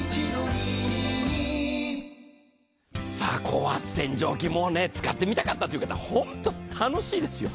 高圧洗浄器、使ってみたかったという方、本当、楽しいですよ。